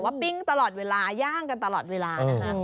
ปิ้งตลอดเวลาย่างกันตลอดเวลานะคะ